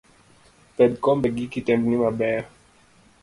Pedh kombe gi kitembni mabeyo.